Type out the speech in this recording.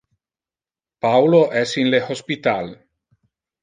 Paulo es in le hospital.